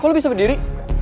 kok lu bisa berdiri